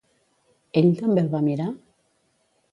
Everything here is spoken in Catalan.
Ell també el va mirar?